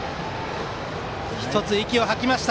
１つ息を吐きました。